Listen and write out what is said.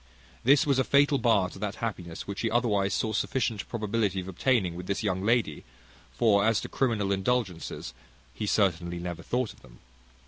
This was a fatal bar to that happiness which he otherwise saw sufficient probability of obtaining with this young lady; for as to criminal indulgences, he certainly never thought of them.